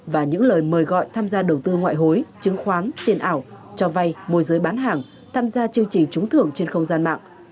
và những lời mời gọi tham gia đầu tư ngoại hối chứng khoán tiền ảo cho vay môi giới bán hàng tham gia chương trình trúng thưởng trên không gian mạng